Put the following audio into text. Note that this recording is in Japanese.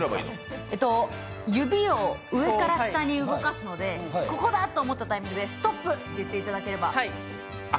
指を上から下に動かすのでここだ！？と思ったタイミングで「ストップ」と言っていただければ。